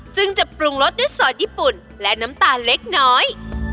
ซึ่งจะปรุงรสด้วยซอสญี่ปุ่นและน้ำตาลเล็กน้อย